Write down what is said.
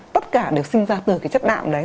tất cả được sinh ra từ cái chất đạm đấy